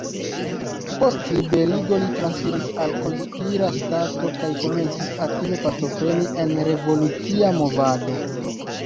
Post liberigo li transiris al konspira stato kaj komencis aktive partopreni en revolucia movado.